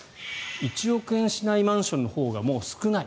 １億円しないマンションのほうがもう少ない。